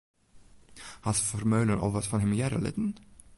Hat Vermeulen al wat fan him hearre litten?